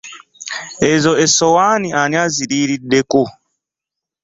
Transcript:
Ezo essowaani ani aziriiriddeko?